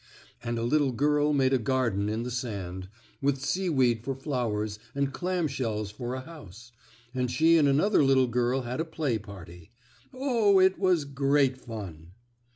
And a little girl made a garden in the sand, with seaweed for flowers and clam shells for a house, and she and another little girl had a play party. Oh, it was great fun!